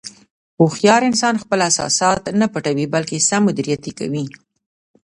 هوښیار انسان خپل احساسات نه پټوي، بلکې سم مدیریت یې کوي.